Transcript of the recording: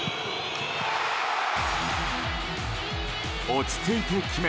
落ち着いて決め